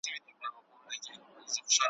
په دې منځ کي باندی تېر سوله کلونه ,